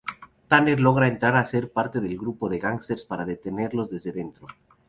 Tanner logra entrar a ser parte del grupo de gángsters para detenerlos desde dentro.